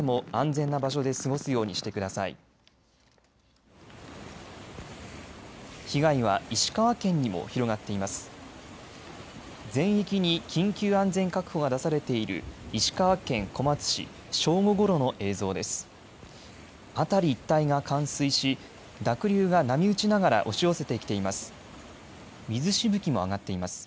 全域に緊急安全確保が出されている石川県小松市正午ごろの映像です。